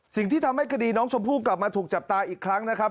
สิ่งที่ทำให้คดีน้องชมพู่กลับมาถูกจับตาอีกครั้งนะครับ